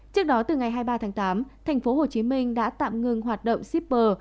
trước đó từ ngày hai mươi ba tháng tám tp hcm đã tạm ngừng hoạt động shipper